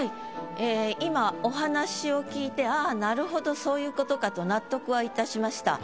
ええ今お話を聞いてああなるほどそういうことかと納得はいたしました。